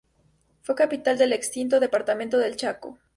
Fue capital del extinto Departamento del Chaco.